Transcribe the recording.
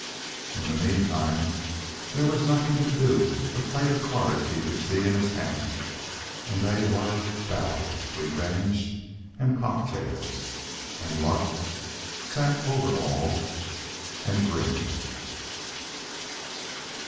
In the meantime there was nothing to do but play the cards he could see in his hand, and they were BATTLE, REVENGE, AND COCKTAILS. And Luck sat over all and grinned.